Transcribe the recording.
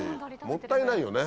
もったいないよね。